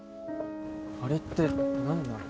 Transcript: あれって何なの？